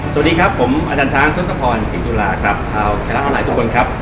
สวัสดีครับผมอาจารย์ช้างทศพรศรีตุลาครับชาวไทยรัฐออนไลน์ทุกคนครับ